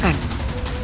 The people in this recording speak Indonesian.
siapa yang akan menang